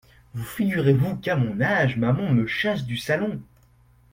Vous figurez-vous qu’à mon âge, Maman me chasse du salon !